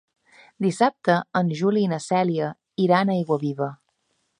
Dissabte en Juli i na Cèlia iran a Aiguaviva.